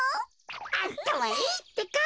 あたまいいってか。